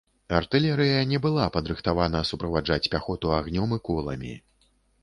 Артылерыя не была падрыхтавана суправаджаць пяхоту агнём і коламі.